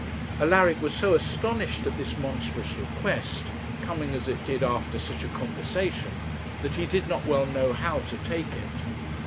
Alaric was so astonished at this monstrous request, coming as it did after such a conversation, that he did not well know how to take it.